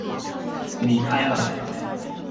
米埃朗。